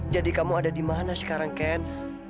jadi kamu ada dimana sekarang ken